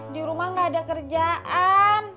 di rumah gak ada kerjaan